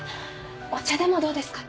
お茶でもどうですか？